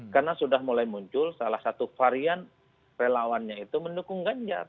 karena sudah mulai muncul salah satu varian relawannya itu mendukung ganjar